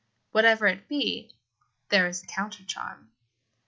Whatever it be, there is the counter charm.